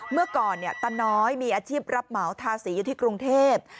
เมื่อก่อนตาน้อยมีอาชีพรับเหมาทาสีอยู่ที่กรุงเทพ